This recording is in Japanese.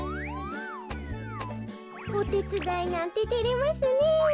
おてつだいなんててれますねえ。